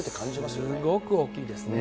すごく大きいですね。